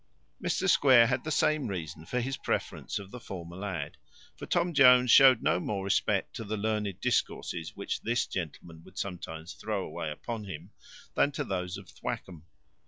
Mr Square had the same reason for his preference of the former lad; for Tom Jones showed no more regard to the learned discourses which this gentleman would sometimes throw away upon him, than to those of Thwackum.